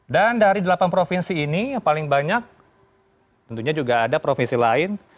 dan dari delapan provinsi ini yang paling banyak tentunya juga ada provinsi lain